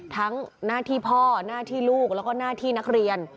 หน้าที่พ่อหน้าที่ลูกแล้วก็หน้าที่นักเรียน